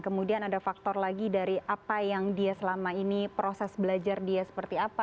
kemudian ada faktor lagi dari apa yang dia selama ini proses belajar dia seperti apa